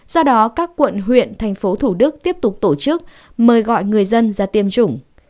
do đó các quận huyện tp thủ đức tiếp tục tổ chức mời gọi người dân ra tiêm chủng